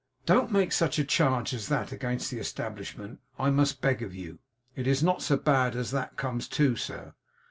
'Don't make such a charge as that against the establishment, I must beg of you. It is not so bad as that comes to, sir.